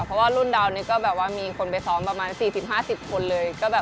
เพราะว่ารุ่นดาวนี้ก็แบบว่ามีคนไปซ้อมประมาณ๔๐๕๐คนเลย